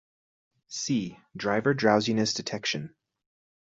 See: Driver drowsiness detection.